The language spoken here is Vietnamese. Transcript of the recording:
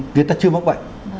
người ta chưa mắc bệnh